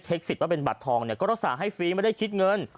สิทธิ์ว่าเป็นบัตรทองเนี่ยก็รักษาให้ฟรีไม่ได้คิดเงิน